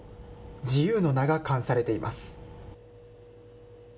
自由の名が冠されています。